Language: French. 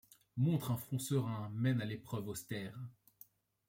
Montrent un front serein même à l’épreuve austère